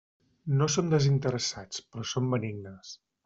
No són desinteressats, però són benignes.